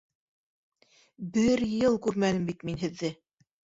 Бер йыл күрмәнем бит мин һеҙҙе...